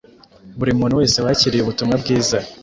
Buri muntu wese wakiriye ubutumwa bwiza